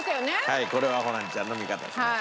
はいこれはホランちゃんの味方します。